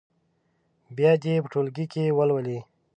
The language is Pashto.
بیا دې یې په ټولګي کې ولولي.